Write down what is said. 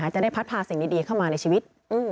จะได้พัดพาสิ่งดีเข้ามาในชีวิต